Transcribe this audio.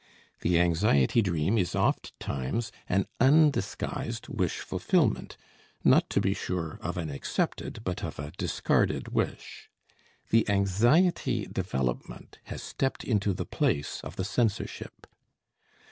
The anxiety dream is ofttimes an undisguised wish fulfillment, not, to be sure, of an accepted, but of a discarded wish. The anxiety development has stepped into the place of the censorship.